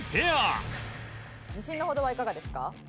自信のほどはいかがですか？